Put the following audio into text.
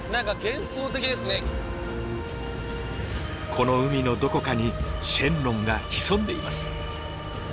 この海のどこかに神龍が潜んでいます。